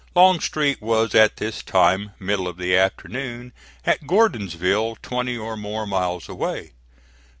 Longstreet was at this time middle of the afternoon at Gordonsville, twenty or more miles away.